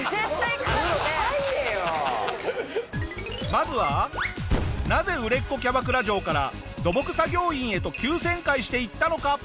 まずはなぜ売れっ子キャバクラ嬢から土木作業員へと急旋回していったのか？